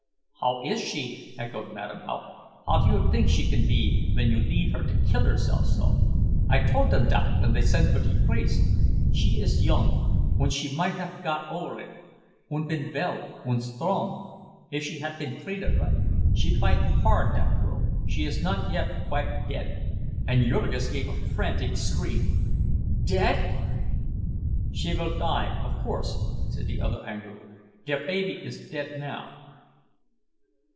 "How is she?" echoed Madame Haupt. "How do you tink she can be ven you leave her to kill herself so? I told dem dot ven they send for de priest. She is young, und she might haf got over it, und been vell und strong, if she had been treated right. She fight hard, dot girl—she is not yet quite dead." And Jurgis gave a frantic scream. "Dead!" "She vill die, of course," said the other angrily. "Der baby is dead now."